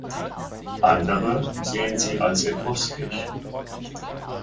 Andere sehen sie als etruskisch.